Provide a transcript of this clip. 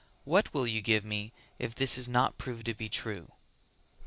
What will you give me if this is not proved to be true?"